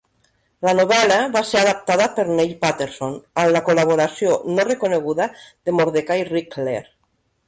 La novel·la va ser adaptada per Neil Paterson, amb la col·laboració no reconeguda de Mordecai Richler.